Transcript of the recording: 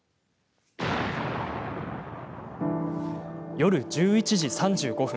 夜１１時３５分。